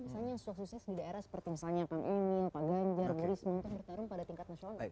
misalnya yang sukses di daerah seperti misalnya pak emy pak ganjar jadi sempurna bertarung pada tingkat nasional